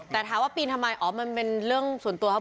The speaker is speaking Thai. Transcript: แต่ถามว่าปีนทำไมอ๋อมันเป็นเรื่องส่วนตัวครับ